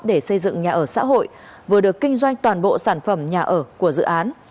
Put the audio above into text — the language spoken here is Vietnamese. để xây dựng nhà ở xã hội vừa được kinh doanh toàn bộ sản phẩm nhà ở của dự án